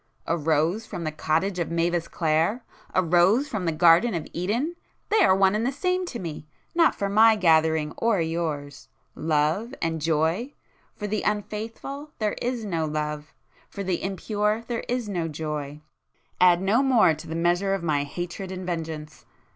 A rose from the cottage of Mavis Clare?—a rose from the garden of Eden!—they are one and the same to me! Not for my gathering or yours! Love and joy? For the unfaithful there is no love,—for the impure there is no joy. Add no more to the measure of my hatred and vengeance!